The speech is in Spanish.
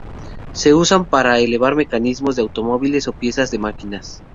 Se usan para elevar mecanismos de automóviles o piezas de máquinas.